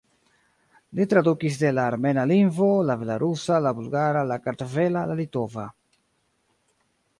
Li tradukis de la armena lingvo, la belorusa, la bulgara, la kartvela, la litova.